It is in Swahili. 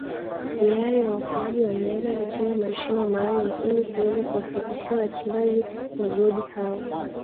tayari waokoaji wameanza kuchimba mashimo maalumu ili kuweza kuwafikishia wachimba migodi hao